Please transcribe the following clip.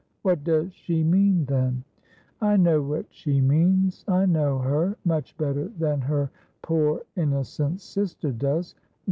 ' What does she mean, then ?'' I know what she means. I know her ; much better than her poor innocent sister does.